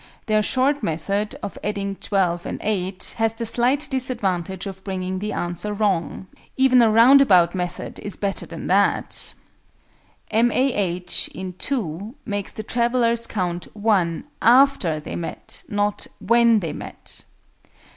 Their short method, of adding 12 and 8, has the slight disadvantage of bringing the answer wrong: even a "roundabout" method is better than that! M. A. H., in (2), makes the travellers count "one" after they met, not when they met.